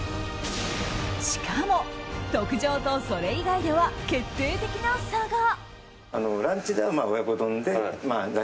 しかも、特上とそれ以外では決定的な差が。